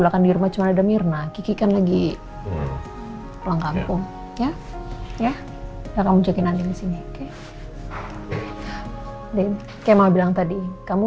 ya aku mau tenang tenang aja di rumah sakit